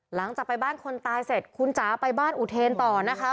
หลังจากไปบ้านคนตายเสร็จคุณจ๋าไปบ้านอุเทนต่อนะคะ